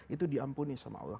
itu diampuni sama allah